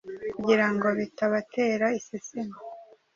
kugira ngo bitabatera iseseme.